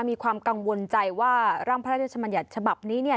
มีความกังวลใจว่าร่างพระราชบัญญาณฉบับนี้